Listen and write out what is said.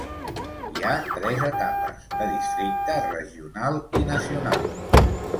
Hi ha tres etapes: de districte, regional i nacional.